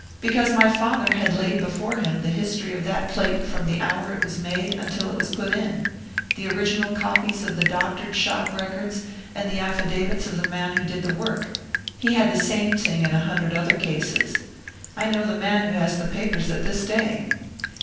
"Because my father had laid before him the history of that plate from the hour it was made until it was put in: the original copies of the doctored shop records, and the affidavits of the man who did the work. He had the same thing in a hundred other cases. I know the man who has the papers at this day."